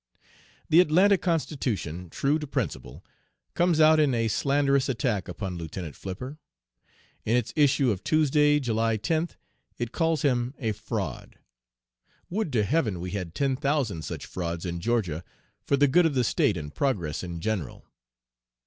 "The Atlanta Constitution, true to principle, comes out in a slanderous attack upon Lieutenant Flipper. In its issue of Tuesday, July 10th, it calls him a fraud. Would to heaven we had ten thousand such frauds in Georgia for the good of the State and progress in general!